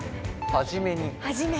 「初めに」。